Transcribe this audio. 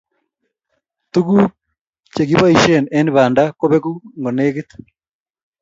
Tuguuk chegiboishen eng Banda kobegu ngolegit